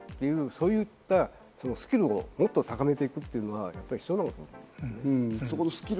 そういうスキルをもっと高めていくというのは必要です。